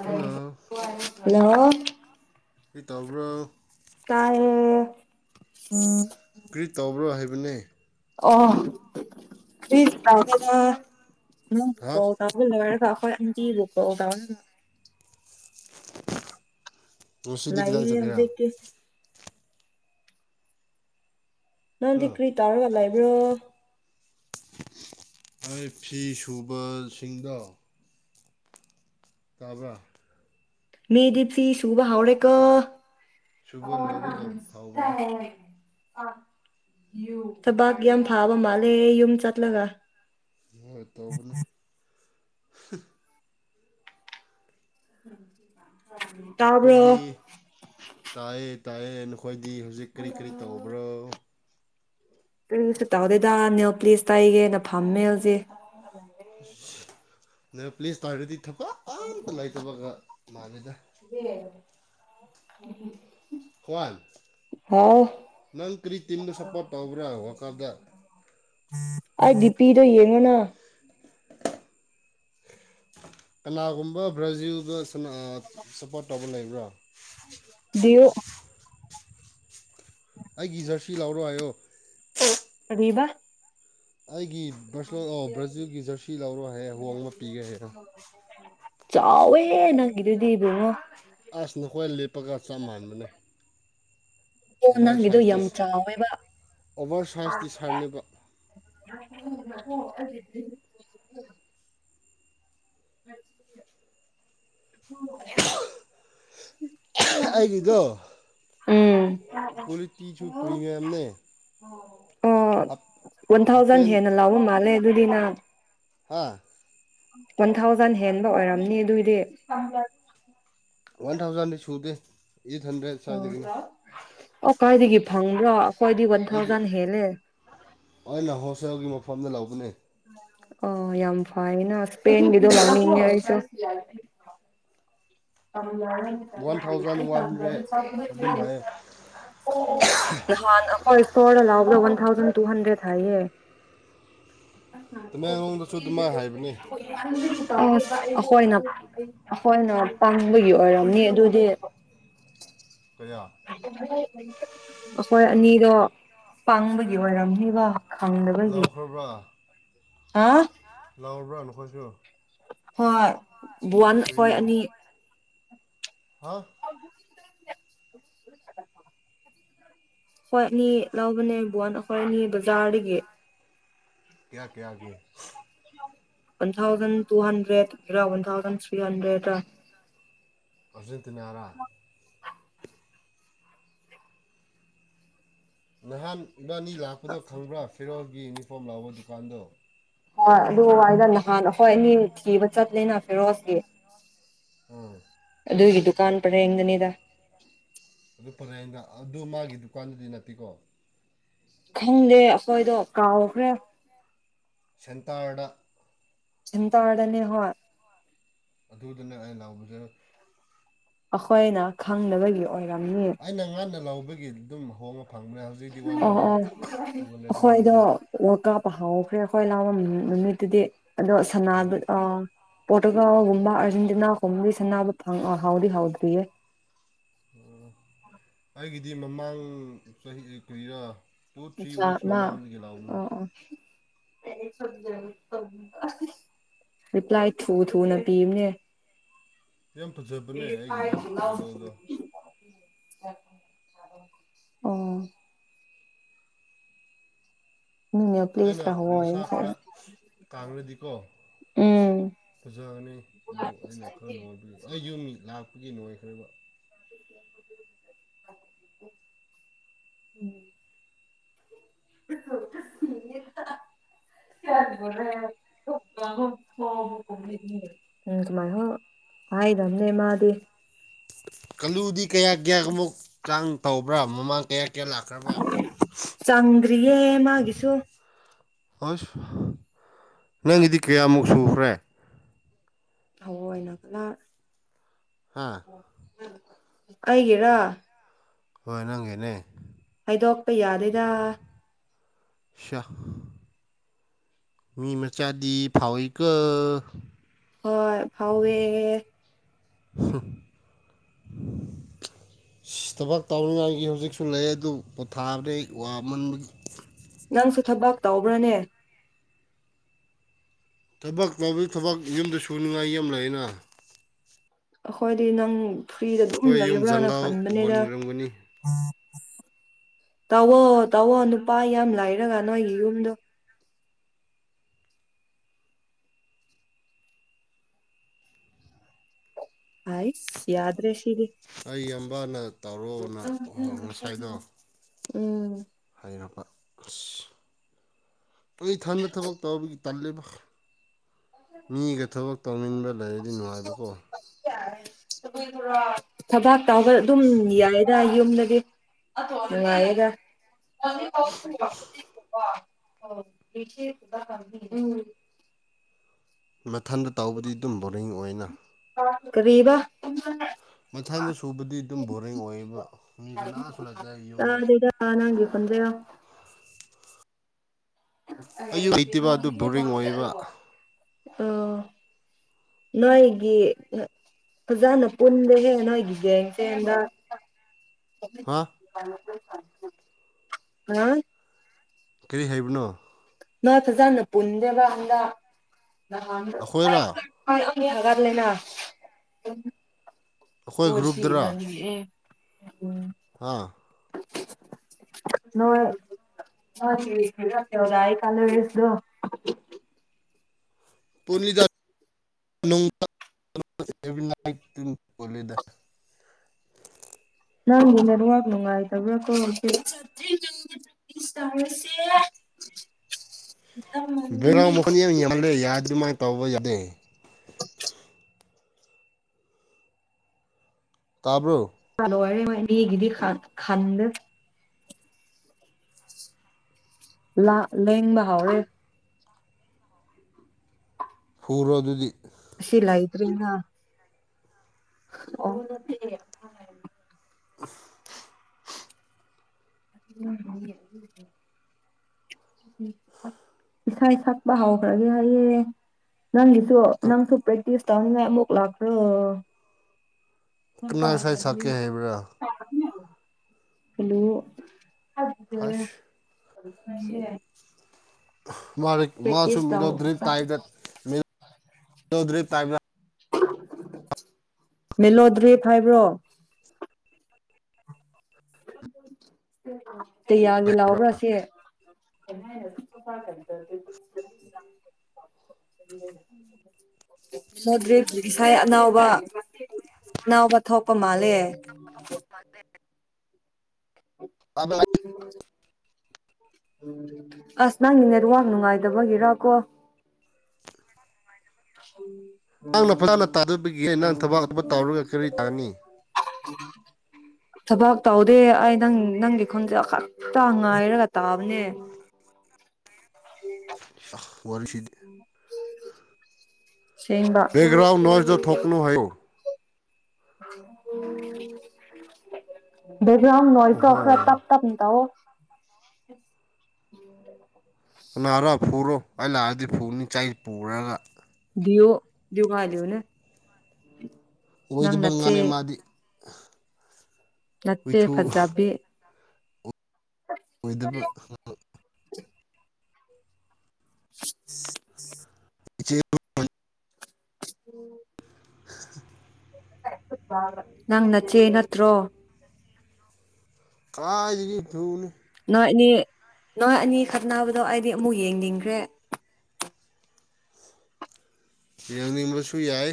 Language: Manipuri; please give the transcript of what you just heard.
ꯍꯜꯂꯣ ꯍꯂꯣ ꯀꯔꯤ ꯇꯧꯕ꯭ꯔꯣ ꯇꯥꯏꯌꯦ ꯀ꯭ꯔꯤ ꯇꯧꯕ꯭ꯔꯣ ꯍꯥꯏꯕꯅꯦ ꯑꯣ ꯀ꯭ꯔꯤꯁꯨ ꯇꯧꯗꯦꯗ ꯍꯥ [unintelligible] ꯑꯗꯨ ꯂꯣꯏꯔꯒ ꯑꯈꯣꯏ [unintelligible] ꯉꯁꯤꯗꯤ ꯀꯗꯥꯏ ꯂꯩꯌꯦ ꯆꯠꯀꯦꯔ ꯍꯧꯖꯤꯛꯇꯤ ꯍꯥ ꯅꯪꯗꯤ ꯀ꯭ꯔꯤ ꯇꯧꯔꯒ ꯂꯩꯕ꯭ꯔꯣ ꯑꯩ ꯐꯤ ꯁꯨꯕꯁꯤꯡꯗꯣ ꯇꯥꯕ꯭ꯔ ꯃꯤꯗꯤ ꯐꯤ ꯁꯨꯕ ꯍꯧꯔꯦꯀꯣ ꯁꯨꯕ ꯂꯣꯏꯔꯒ ꯐꯥꯎꯕꯅꯦ [unintelligible] ꯊꯕꯛ ꯌꯥꯝ ꯐꯥꯕ ꯃꯥꯜꯂꯦ ꯌꯨꯝ ꯆꯠꯂꯒ [unintelligible] ꯇꯧꯕꯅꯤ ꯇꯥꯕ꯭ꯔꯣ ꯅꯀꯣꯏꯗꯤ ꯇꯥꯏꯌꯦ ꯇꯥꯏꯌꯦ ꯅꯈꯣꯏꯗꯤ ꯍꯧꯖꯤꯛ ꯀꯔꯤ ꯀꯔꯤ ꯇꯧꯕ꯭ꯔꯣ ꯀꯔꯤꯁꯨ ꯇꯧꯗꯦꯗꯥ ꯅꯦꯜ ꯄꯂꯤꯁ ꯇꯩꯏꯒꯦ ꯅ ꯐꯝꯃꯤ ꯍꯧꯖꯤꯛ ꯏꯁ ꯅꯦꯜ ꯄꯣꯂꯤꯁ ꯇꯩꯔꯗꯤ ꯊꯝ [unintelligible] ꯍ꯭ꯋꯥꯟ ꯍꯥꯎ ꯅꯪ ꯀꯔꯤ ꯇꯤꯝꯗꯥ ꯁꯞꯄꯣꯔꯠ ꯇꯧꯕ꯭ꯔꯥ ꯋꯥꯜ ꯀꯞꯗꯥ ꯑꯩ ꯗꯤ ꯄꯤ ꯗꯣ ꯌꯦꯡꯉꯣꯅ ꯀꯅꯥꯒꯨꯝꯕ ꯕ꯭ꯔꯥꯖꯤꯜꯗ ꯁꯟꯅ ꯁꯞꯄꯣꯔꯠ ꯇꯧꯕ ꯂꯩꯕ꯭ꯔꯥ ꯗꯤ ꯌꯨ ꯑꯩ ꯒꯤ ꯖꯔꯁꯤ ꯂꯧꯔꯣ ꯍꯥꯏꯌꯣ ꯀꯔꯤꯕ ꯑꯩꯒꯤ ꯕ꯭ꯔꯁꯦꯂꯣ ꯕ꯭ꯔꯥꯖꯤꯜꯒꯤ ꯖꯔꯁꯤ ꯂꯧꯔꯣ ꯍꯥꯏꯌꯦ ꯑꯍꯣꯡꯕ ꯄꯤꯒꯦ ꯍꯥꯏꯌꯣ ꯆꯥꯎꯋꯦ ꯍꯦ ꯅꯪꯒꯤꯗꯨꯗꯤ ꯏꯕꯨꯡꯉꯣ ꯑꯁ ꯅꯈꯣꯏ ꯂꯦꯞꯄꯒꯥ ꯆꯞ ꯃꯥꯟꯅꯅꯤ ꯑꯣ ꯅꯪꯒꯤꯗꯣ ꯇꯤ ꯌꯥꯝ ꯆꯥꯎꯋꯦꯕ ꯑꯣꯚꯔ ꯁꯥꯏꯖ ꯇꯤ ꯁꯥꯔꯅꯦꯕ [unintelligible] [unintelligible] [unintelligible] ꯑꯩꯒꯤꯗꯣ ꯎꯝ ꯀ꯭ꯋꯥꯂꯤꯇꯤꯁꯨ ꯄ꯭ꯔꯤꯃꯤꯌꯝꯅꯦ ꯑꯣ ꯍꯥꯞ ꯋꯥꯟ ꯊꯥꯎꯖꯟ ꯍꯥꯞꯄꯦꯟ ꯍꯦꯟꯅ ꯂꯥꯎꯕ ꯃꯥꯜꯂꯦ ꯑꯗꯨꯗꯤ ꯅꯪ ꯍꯥꯥ ꯋꯥꯟ ꯊꯥꯎꯖꯟ ꯍꯦꯟꯕ ꯑꯣꯏꯔꯝꯅꯤ ꯑꯗꯨꯏꯗꯤ ꯋꯥꯟ ꯊꯥꯎꯖꯟꯗꯤ ꯁꯨꯗꯦ ꯑꯩꯠ ꯍꯟꯗ꯭ꯔꯦꯠ ꯁ꯭ꯋꯥꯏꯗꯒꯤꯅꯤ ꯑꯣ ꯑꯣ ꯀꯥꯏꯗꯒꯤ ꯐꯪꯕ꯭ꯔꯥ ꯑꯈꯣꯏꯗꯤ ꯋꯥꯟ ꯑꯩꯗꯤ ꯊꯥꯎꯖꯟ ꯍꯦꯜꯂꯦ ꯑꯩꯅ ꯍꯣꯜꯁꯦꯜꯒꯤ ꯃꯐꯝꯗꯥ ꯂꯧꯕꯅꯦ ꯑꯣ ꯌꯥꯝ ꯐꯥꯏꯅ ꯁ꯭ꯄꯦꯟꯒꯤꯗꯣ ꯂꯧꯅꯤꯡꯉꯦ ꯑꯩꯁꯨꯦ ꯋꯥꯟ ꯊꯥꯎꯖꯟ ꯋꯥꯟ ꯍꯟꯗ꯭ꯔꯦꯠ ꯑꯗꯨꯝ ꯍꯥꯏꯌꯦ [unintelligible] ꯅꯍꯥꯟ ꯑꯩꯈꯣꯏ ꯏꯁ꯭ꯇꯣꯔꯗꯥ ꯂꯧꯕꯗꯣ ꯋꯥꯟ ꯊꯥꯎꯖꯟ ꯇꯨ ꯍꯟꯗ꯭ꯔꯦꯠ ꯍꯥꯏꯌꯦ ꯇꯃꯦꯡꯂꯣꯡꯗꯁꯨ ꯑꯗꯨꯃꯥꯏ ꯍꯥꯏꯕꯅꯦ [unintelligible] [unintelligible] ꯑꯁ ꯑꯩꯈꯣꯏꯅ ꯑꯩꯈꯣꯏꯅ ꯄꯪꯕꯒꯤ ꯑꯣꯏꯔꯝꯅꯤ ꯑꯗꯨꯗꯤ ꯀꯥꯌꯥ ꯑꯩꯈꯣꯏ ꯑꯅꯤꯗꯣ ꯄꯪꯕꯒꯤ ꯑꯣꯏꯔꯝꯅꯤꯕ ꯈꯪꯗꯕꯒꯤ ꯂꯧꯈ꯭ꯔꯥꯕ꯭ꯔꯥ ꯍꯥ ꯂꯧꯔꯕ꯭ꯔꯥ ꯅꯈꯣꯏꯁꯨ ꯍꯣꯏ ꯕꯨꯋꯥꯟ ꯀ꯭ꯔꯤ ꯑꯩꯈꯣꯏ ꯑꯅꯤ ꯍꯥ [unintelligible] [inaudible] ꯑꯈꯣꯏ ꯑꯅꯤ ꯂꯧꯕꯅꯦ ꯕꯣꯟ ꯑꯩꯈꯣꯏ ꯑꯅꯤ ꯕꯖꯥꯔꯗꯥꯒꯤ ꯀꯌꯥ ꯀꯌꯥꯒꯤ [inaudible] ꯋꯥꯟ ꯊꯥꯎꯖꯟ ꯇꯨ ꯍꯟꯗ꯭ꯔꯦꯠꯀꯤꯔꯥ ꯋꯥꯟ ꯊꯥꯎꯖꯟ ꯊ꯭ꯔꯤ ꯍꯟꯗ꯭ꯔꯦꯠꯔꯥ ꯑꯔꯖꯦꯟꯇꯤꯅꯥꯔꯥ ꯅꯍꯥꯟ ꯏꯕꯥꯅꯤ ꯂꯥꯛꯄꯗꯣ ꯈꯪꯕ꯭ꯔꯥ ꯐꯤꯔꯣꯜꯒꯤ ꯌꯨꯅꯤꯐꯣꯔꯝ ꯂꯥꯎꯕ ꯗꯨꯀꯥꯟꯗꯣ ꯍꯣꯏ ꯑꯗꯨꯋꯥꯏꯗꯥ ꯅꯍꯥꯟ ꯑꯩꯈꯣꯏ ꯑꯅꯤ ꯊꯤꯕ ꯆꯠꯂꯦꯅ ꯐꯤꯔꯣꯜꯁꯀꯤ ꯎꯝ ꯑꯗꯨꯒꯤ ꯗꯨꯀꯥꯟ ꯄꯔꯦꯡꯗꯅꯤꯗ ꯑꯗꯨ ꯄꯔꯦꯡꯗ ꯑꯗꯨ ꯃꯥꯒꯤ ꯗꯨꯀꯥꯟꯗꯥꯗꯤ ꯅꯠꯇꯦꯀꯣ ꯈꯪꯗꯦ ꯑꯩꯈꯣꯏꯗꯣ ꯀꯥꯎꯈ꯭ꯔꯦ ꯁꯦꯟꯇꯥꯔꯗ ꯁꯦꯟꯇꯥꯔꯗꯅꯦ ꯍꯣꯏ ꯑꯗꯨꯗꯅꯦ ꯑꯩ ꯂꯧꯕꯗꯨ ꯑꯩꯈꯣꯏꯅ ꯈꯪꯗꯕꯒꯤ ꯑꯣꯏꯔꯝꯅꯤ ꯑꯩꯅ ꯉꯟꯅ ꯂꯧꯕꯒꯤ ꯑꯗꯨꯝ ꯍꯣꯡꯅ ꯐꯪꯕꯅꯦ ꯍꯧꯖꯤꯛ ꯑꯣ ꯑꯣ ꯑꯩꯈꯣꯏꯗꯣ ꯍꯥꯏꯈ꯭ꯔꯦ ꯋꯥꯂ ꯀꯞ ꯍꯧꯈ꯭ꯔꯦ ꯑꯩꯈꯣꯏ ꯂꯧꯕ ꯅꯨꯃꯤꯠꯇꯨꯗꯤ ꯑꯗꯣ ꯎꯝ ꯁꯅꯥꯕ ꯑ ꯄꯣꯔꯇꯨꯒꯥꯜꯒꯨꯝꯕ ꯑꯔꯖꯦꯟꯇꯤꯅꯥꯒꯨꯝꯕꯗꯤ ꯁꯅꯥꯕ ꯍꯧꯗꯤ ꯍꯧꯗ꯭ꯔꯤꯌꯦ ꯑ ꯑꯩꯒꯤꯗꯤ ꯃꯃꯥꯡ ꯆꯍꯤ ꯀꯨꯏꯔꯥ ꯃꯆꯥꯃꯥ ꯑꯣ ꯑꯣ ꯔꯤꯄ꯭ꯂꯥꯏ ꯊꯨ ꯊꯨꯅ ꯄꯤꯕꯅꯦ ꯌꯥꯝ ꯐꯖ [unintelligible] ꯑꯣ ꯃꯤꯅ ꯄ꯭ꯂꯤꯁ ꯑꯩꯅ ꯂꯥꯛꯑꯣꯌꯦ ꯃꯁꯥ ꯈꯔ ꯀꯥꯡꯔꯗꯤꯀꯣ ꯎꯝ ꯐꯖꯒꯅꯤ ꯑꯗꯨ ꯑꯩꯅ ꯈꯔ ꯅꯣꯏꯕꯒꯤ ꯑꯩ ꯌꯨꯝ ꯂꯥꯛꯄꯒꯤ ꯅꯣꯏꯈ꯭ꯔꯕ [inaudible] ꯎꯝ [unintelligible] [unintelligible] ꯍꯥꯏꯗꯝꯅꯦ ꯃꯥꯗꯤ ꯀꯂꯨꯗꯤ ꯀꯌꯥ ꯀꯌꯥꯃꯨꯛ ꯆꯥꯡ ꯇꯧꯕ꯭ꯔꯥ ꯃꯃꯥꯡ ꯀꯌꯥ ꯀꯌꯥ ꯂꯥꯛ ꯆꯪꯗ꯭ꯔꯤꯌꯦ ꯃꯥꯒꯤꯁꯨ ꯑꯁ ꯅꯪꯒꯤꯗꯤ ꯀꯌꯥꯃꯨꯛ ꯁꯨꯈ꯭ꯔꯦ ꯊꯑꯣꯏꯅ ꯀꯂꯥꯔ ꯍꯥꯥ ꯑꯩꯒꯤꯔꯥ ꯍꯣꯏ ꯅꯪꯒꯤꯅꯦ ꯍꯥꯏꯗꯣꯛꯄ ꯌꯥꯗꯦꯗ ꯁꯌꯥ ꯃꯤ ꯃꯆꯥꯗꯤ ꯐꯥꯎꯋꯤꯀꯣ ꯍꯣꯏ ꯐꯥꯎꯋꯦ ꯍꯨ [inaudible] ꯊꯕꯛ ꯇꯧꯅꯤꯡꯉꯥꯏꯒꯤ ꯍꯧꯖꯤꯛꯁꯨ ꯂꯩ ꯑꯗꯨ ꯄꯣꯊꯥꯕꯗ ꯑꯩ ꯋꯥꯃꯟꯕꯒꯤ ꯅꯪꯁꯨ ꯊꯕꯛ ꯇꯧꯕ꯭ꯔꯅꯦ ꯊꯕꯛ ꯇꯧꯕꯗ ꯊꯕꯛ ꯌꯨꯝꯗ ꯁꯨꯅꯤꯡꯉꯥꯏ ꯌꯥꯝ ꯂꯩꯌꯦꯅ ꯑꯩꯈꯣꯏꯗꯤ ꯅꯪ ꯐ꯭ꯔꯤꯗ ꯑꯗꯨꯝ ꯑꯩꯈꯣꯏ ꯌꯨꯝ ꯂꯩꯕ꯭ꯔꯥꯅ ꯖꯪꯒꯥꯜ ꯈꯟꯕꯅꯦꯗ ꯋꯥꯟꯈ꯭ꯔꯝꯒꯅꯤ ꯇꯧꯋꯣ ꯇꯧꯋꯣ ꯅꯨꯄꯥ ꯌꯥꯝ ꯂꯩꯔꯒ ꯅꯣꯏꯒꯤ ꯌꯨꯝꯗꯣ ꯑꯁ ꯌꯥꯗ꯭ꯔꯦꯁꯤꯗꯤ ꯑꯩ ꯏꯌꯥꯝꯕꯥꯅ ꯇꯧꯔꯛꯑꯣꯅ ꯉꯁꯥꯏꯗꯣ ꯎꯝ ꯍꯥꯏꯔꯕ ꯑꯁ ꯑꯩ ꯏꯊꯟꯗ ꯊꯕꯛ ꯇꯧꯕꯒꯤ ꯇꯜꯂꯤꯕ ꯃꯤꯒ ꯊꯕꯛ ꯇꯧꯃꯤꯟꯕ ꯂꯩꯔꯗꯤ ꯅꯨꯡꯉꯥꯏꯕꯀꯣ ꯊꯕꯛ ꯇꯧꯕ ꯑꯗꯨꯝ ꯌꯥꯏꯗ ꯌꯨꯝꯗꯗꯤ ꯅꯨꯡꯉꯥꯏꯌꯦꯗ [unintelligible] ꯃꯊꯟꯗ ꯇꯥꯎꯕꯗꯤ ꯑꯗꯨꯝ ꯕꯣꯔꯤꯡ ꯑꯣꯏꯅ ꯀꯔꯤꯕꯥ ꯃꯊꯟꯗ ꯁꯨꯕꯗꯤ ꯑꯗꯨꯝ ꯕꯣꯔꯤꯡ ꯑꯣꯏꯌꯦꯕ ꯃꯤ ꯀꯅꯥꯁꯨ ꯂꯩꯥꯛꯇꯦ ꯌꯨꯝꯗ ꯑ ꯅꯪ [unintelligible] ꯑꯌꯨꯛ ꯇꯤꯕ ꯑꯗꯨ ꯕꯣꯔꯤꯡ ꯑꯣꯏꯕ ꯑꯣ ꯅꯣꯏꯒꯤ ꯐꯖꯅ ꯄꯨꯟꯗ‌ꯦꯍꯦ ꯅ‌ꯣꯏꯒꯤ ꯒ‌ꯦꯡꯁ‌ꯦ ꯍꯟꯗꯛ ꯍꯥ [unintelligible] ꯀꯔꯤ ꯍꯥꯏꯕꯅꯣ ꯅ‌ꯣꯏ ꯐꯖꯅ ꯄꯨꯟꯗꯦꯕ ꯍꯟꯗꯛ ꯑꯩꯈꯣꯏꯔ ꯅꯍꯥꯟꯗ‌ꯣ [unintelligible] ꯑꯩꯈꯣꯏ ꯍ‌ꯣꯏꯁꯤ ꯒ꯭ꯔꯨꯞꯇꯔ ꯏꯕꯅꯤ ꯑꯦ ꯎꯝ ꯍꯥꯥ [unintelligible] ꯅꯣꯏ ꯅ‌ꯣꯏꯒꯤ [unintelligible] ꯔ‌ꯦꯁꯗꯨ [inaudible] ꯅꯪ ꯅ‌ꯦꯋꯥꯛ ꯅꯨꯡꯉꯥꯏꯇꯕ꯭ꯔꯀ‌ꯣ [unintelligible] ꯏꯁ ꯇꯧꯔꯥꯁꯦ [unintelligible] ꯕ‌ꯦꯂꯥꯎ ꯃꯈ‌ꯣꯟ ꯌꯥꯝ ꯌꯥꯝꯃꯜꯂ‌ꯦ ꯌꯥꯗꯔ ꯗꯨꯃꯥꯏꯟ ꯇꯧꯕ ꯌꯥꯗꯦ ꯇꯥꯕ꯭ꯔꯣ [unintelligible] ꯕꯤꯑꯦꯒꯤꯗꯤ ꯈ ꯈꯟꯗ‌ꯦ ꯂꯥꯛ ꯂꯦꯡꯕ ꯍꯧꯔꯦ ꯐꯨꯔꯣ ꯑꯗꯨꯗꯤ ꯁꯤꯂꯥꯏꯇ꯭ꯔꯤꯅꯥ ꯑ [unintelligible] [unintelligible] [unintelligible] ꯏꯁꯩ ꯁꯛꯄ ꯍꯧꯈ꯭ꯔꯗꯤ ꯍꯥꯏꯌꯦ ꯅꯪꯒꯤꯁꯨ ꯅꯪꯁꯨ ꯄ꯭ꯔꯦꯛꯇꯤꯁ ꯇꯧꯅꯤꯡꯉꯥꯏ ꯑꯃꯨꯛ ꯂꯥꯛꯈ꯭ꯔꯣ ꯀꯅꯥ ꯁꯩ ꯁꯛꯀꯦ ꯍꯥꯏꯕ꯭ꯔꯥ [unintelligible] ꯍꯜꯂꯣ ꯍꯁ [unintelligible] ꯃꯔꯤꯛ ꯃꯥꯁꯨ ꯇꯧ ꯃꯤꯔ‌ꯣꯗ꯭ꯔꯤ ꯆꯠ ꯇꯥꯏꯗ ꯃꯤꯔ‌ꯣꯗ꯭ꯔꯤꯕ ꯇꯥꯏꯕ꯭‌ꯔ ꯃꯦꯂꯣꯗ꯭ꯔꯤꯕ ꯍꯥꯏꯕ꯭ꯔꯣ ꯀꯌꯥꯒꯤ ꯂꯥꯎꯕ꯭ꯔ [unintelligible] [unintelligible] ꯗ꯭ꯔꯤꯞ ꯉꯁꯥꯏ ꯑꯅꯥꯎꯕ ꯑꯅꯥꯎꯕ ꯊꯣꯛꯄ ꯃꯥꯜꯂꯦ ꯃꯥꯟ [unintelligible] ꯑꯕ [unintelligible] ꯑꯁ ꯅꯪꯒꯤ ꯅꯦꯠꯋꯥꯛ ꯅꯨꯡꯉꯥꯏꯗꯕꯒꯤꯔ ꯀꯣ [unintelligible] ꯅꯪꯅ ꯐꯖꯅ ꯇꯥꯗꯕꯒꯤꯟ ꯅꯪ ꯊꯕꯛ ꯑꯇ‌ꯣꯞꯄ ꯇꯧꯔꯒ ꯀꯔꯤ ꯇꯥꯒꯅꯤ [unintelligible] ꯊꯕꯛ ꯇꯧꯗꯦ ꯑꯩ ꯅꯪ ꯅꯪꯒꯤ ꯈꯨꯟꯖ‌ꯦꯜ ꯈꯛꯇ ꯉꯥꯏꯔꯒ ꯇꯥꯕꯅꯦ ꯋꯥꯔꯁꯤꯗꯤ ꯁꯦꯡꯕ ꯕꯦꯒ꯭ꯔꯥꯥꯎꯟ ꯅ‌ꯣꯏꯁꯗ‌ꯣ ꯊꯣꯛꯀꯅꯨ ꯍꯥꯏꯌꯨ ꯕꯦꯛꯒ꯭ꯔꯥꯎ ꯅ‌ꯣꯏꯁꯇ‌ꯣ ꯑꯣꯍꯣ ꯈꯔ ꯇꯞ ꯇꯞꯅ ꯇꯧꯋ‌ꯣ ꯀꯅꯥꯔꯥ ꯐꯨꯔꯣ ꯑꯩ ꯂꯥꯛꯑꯗꯤ ꯐꯨꯅꯤ ꯆꯩ ꯄꯨꯔꯒ ꯗꯤꯌꯣ ꯗꯨꯏꯉꯥꯏꯂꯨ ꯅ‌ꯦ ꯑꯣꯏꯗꯕ ꯉꯥꯡꯉ‌ꯦ ꯃꯥꯗꯤ ꯅꯠꯇ‌ꯦ ꯍꯨꯏꯊꯨ ꯐꯖꯕꯤ ꯑꯣꯏꯗꯕ [unintelligible] [unintelligible] ꯆꯦ [unintelligible] [inaudible] [inaudible] ꯅꯪ ꯅꯆꯦ ꯅꯠꯇ꯭ꯔꯣ ꯀꯥꯏꯗꯒꯤ ꯙꯎꯅ ꯅꯣꯏ ꯑꯅꯤ ꯅꯣꯏ ꯑꯅꯤ ꯈꯠꯅꯕꯗꯣ ꯑꯩꯗꯤ ꯑꯃꯨꯛ ꯌꯦꯡꯅꯤꯡꯈ꯭ꯔꯦ ꯌꯦꯡꯅꯤꯡꯕꯁꯨ ꯌꯥꯏ